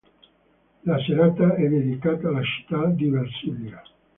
La serata è dedicata alla città di Versilia.